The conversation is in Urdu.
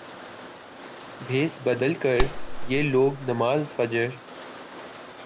بھیس بدل کریہ لوگ نماز فجر